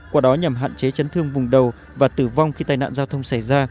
qua đó nhằm hạn chế chấn thương vùng đầu và tử vong khi tai nạn giao thông xảy ra